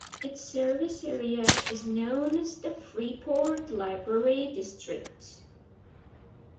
Its service area is known as the Freeport Library District.